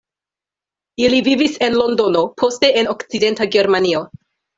Ili vivis en Londono, poste en Okcidenta Germanio.